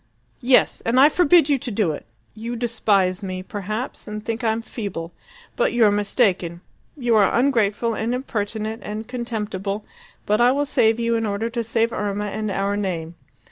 "Yes! and I forbid you to do it! You despise me, perhaps, and think I'm feeble. But you're mistaken. You are ungrateful and impertinent and contemptible, but I will save you in order to save Irma and our name.